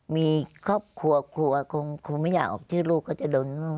มีครอบครัวครัวคงไม่อยากออกที่ลูกเขาจะโดน